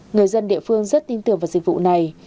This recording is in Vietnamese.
người dân địa phương rất tin tưởng vào dịch vụ này